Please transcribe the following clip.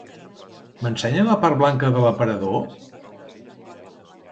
M'ensenya la part blanca de l'aparador?